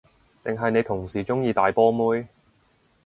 定係你同事鍾意大波妹？